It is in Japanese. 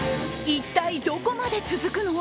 一体どこまで続くの？